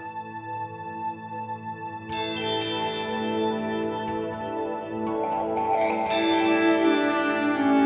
การนั่งของพระพุทธาจารย์อดีตเจ้าวาด